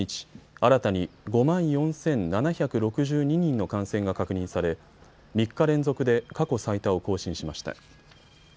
新たに５万４７６２人の感染が確認され３日連続で過去最多を更新しました。